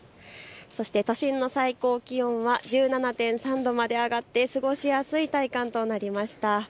都心の最高気温は１７．３度まで上がって過ごしやすい体感となりました。